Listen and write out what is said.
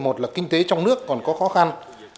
một là kinh tế trong nước còn có khó khăn